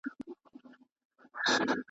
له شهپر څخه یې غشی دی جوړ کړی .